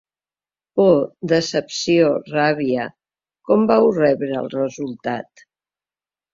Por, decepció, ràbia… Com vau rebre el resultat?